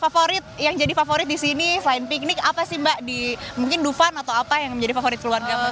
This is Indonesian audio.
favorit yang jadi favorit di sini selain piknik apa sih mbak di mungkin dufan atau apa yang menjadi favorit keluarga